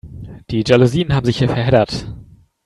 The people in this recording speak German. Die Jalousien haben sich hier verheddert.